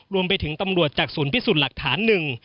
รวมไปถึงตำรวจจากศูนย์พิสูจน์หลักฐานหนึ่ง